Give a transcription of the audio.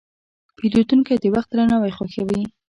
پیرودونکی د وخت درناوی خوښوي.